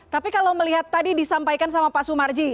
tapi kalau melihat tadi disampaikan sama pak sumarji